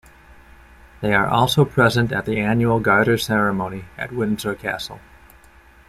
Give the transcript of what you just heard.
They are also present at the annual Garter Ceremony at Windsor Castle.